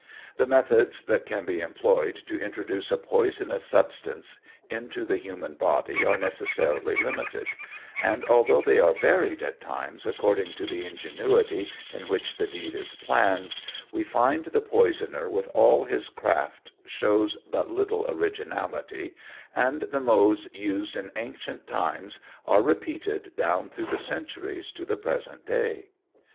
The methods that can be employed to introduce a poisonous substance into the human body are necessarily limited; and although they are varied at times according to the ingenuity in which the deed is planned, we find the poisoner with all his craft shows but little originality, and the modes used in ancient times are repeated down through the centuries to the present day.